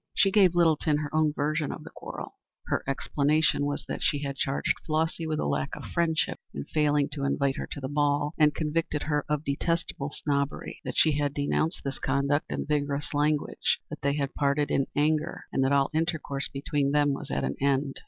She gave Littleton her own version of the quarrel. Her explanation was that she had charged Flossy with a lack of friendship in failing to invite her to her ball, and convicted her of detestable snobbery; that she had denounced this conduct in vigorous language, that they had parted in anger, and that all intercourse between them was at an end.